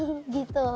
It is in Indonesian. kami ingatnya sih